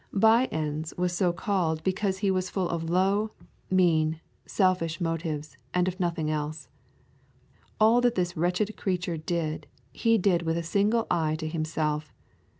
By ends was so called because he was full of low, mean, selfish motives, and of nothing else. All that this wretched creature did, he did with a single eye to himself.